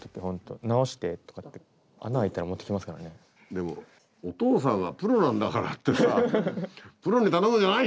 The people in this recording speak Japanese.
でもお父さんはプロなんだからってさプロに頼むんじゃない！